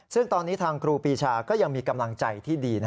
ซึ่งตอนนี้ทางครูปีชาก็ยังมีกำลังใจที่ดี